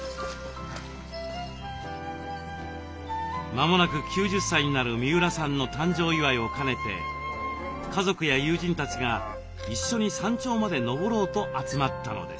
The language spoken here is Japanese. まもなく９０歳になる三浦さんの誕生祝いを兼ねて家族や友人たちが一緒に山頂まで登ろうと集まったのです。